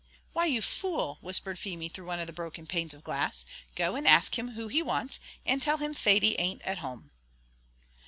"Why, you fool!" whispered Feemy through one of the broken panes of glass, "go and ask him who he wants, and tell him Thady an't at home."